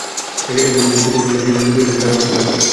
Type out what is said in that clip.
এই ধরনের জিনিস প্রতিদিন হলে বিয়ে নিশ্চয় দারুণ একটা ব্যাপার।